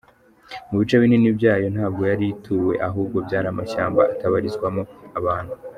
Mu bice binini byayo ntabwo yari ituwe ahubwo byari amashyamba atabarizwamo abantu.